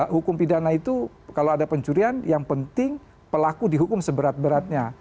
hukum pidana itu kalau ada pencurian yang penting pelaku dihukum seberat beratnya